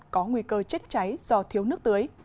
có nguy cơ chết cháy do thiếu nước tưới